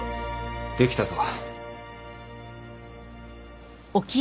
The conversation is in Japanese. できたぞ。